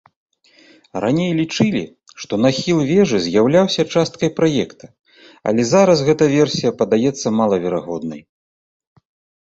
Раней лічылі, што нахіл вежы з'яўляўся часткай праекта, але зараз гэтая версія падаецца малаверагоднай.